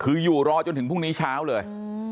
คืออยู่รอจนถึงพรุ่งนี้เช้าเลย